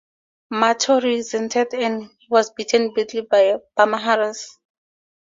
Mahto resented and was beaten badly by other Bhumihars.